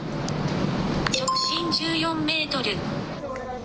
直進１４メートル。